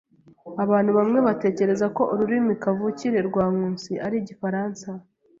Abantu bamwe batekereza ko ururimi kavukire rwa Nkusi ari igifaransa.